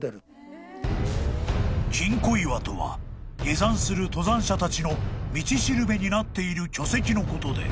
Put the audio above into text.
［下山する登山者たちの道しるべになっている巨石のことで］